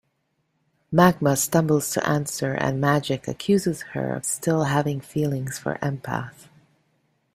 Magma stumbles to answer and Magik accuses her of still having feelings for Empath.